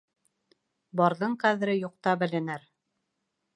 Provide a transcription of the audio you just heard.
Барҙың ҡәҙере юҡта беленер.